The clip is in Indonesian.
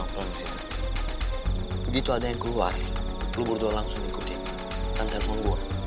kalo udah kita berdua langsung ikutin